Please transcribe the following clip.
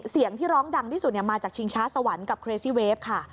เสียงที่ร้องดังที่สุดมาจากชิงช้าสวรรค์กับเครซี่เวฟค่ะ